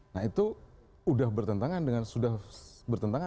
nah itu sudah bertentangan